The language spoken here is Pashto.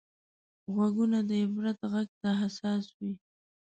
غوږونه د عبرت غږ ته حساس وي